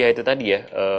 ya itu tadi ya